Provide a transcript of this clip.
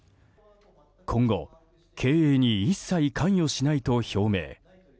今後、経営に一切関与しないと表明。